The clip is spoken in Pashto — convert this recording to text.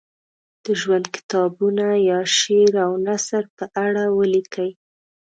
د ژوند کتابونه یا شعر او نثر په اړه ولیکي.